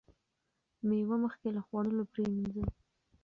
مېوه مخکې له خوړلو پریمنځئ.